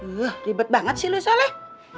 rih ribet banget sih lu soleh